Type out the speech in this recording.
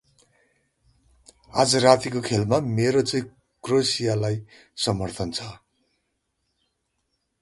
अाज रातिको खेलमा मेरो चै क्रोएसियालाई समर्थन छ ।